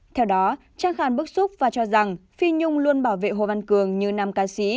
theo đó trang khan bức xúc và cho rằng phi nhung luôn bảo vệ hồ văn cường như nam ca sĩ